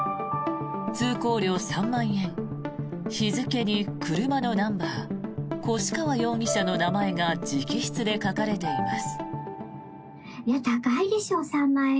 通行料３万円日付に車のナンバー越川容疑者の名前が直筆で書かれています。